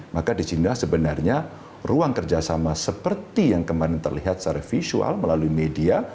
maka disinilah sebenarnya ruang kerjasama seperti yang kemarin terlihat secara visual melalui media